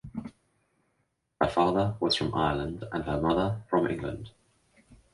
Her father was from Ireland and her mother from England.